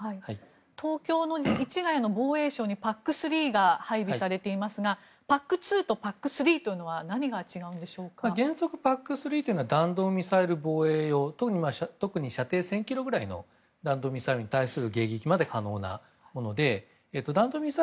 東京の市ヶ谷の防衛省にＰＡＣ３が配備されていますがＰＡＣ２とＰＡＣ３というのは原則、ＰＡＣ３というのは弾道ミサイル防衛用と特に射程１０００ｋｍぐらいの弾道ミサイルを迎撃できるものをさします。